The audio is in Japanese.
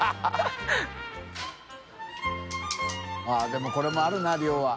◆舛でもこれもあるな量は。